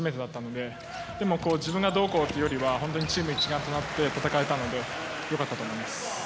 でも自分がどうこうというよりはチーム一丸となって戦えたのでよかったと思います。